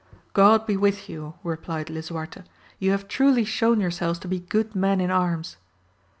God be with you, replied Lisuarte, ye have truly shewn yourselves to be good men in arms.